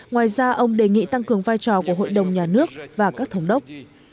ngoài ra ông đề nghị tăng cường vai trò của hội đồng nhà nước và các thống đốc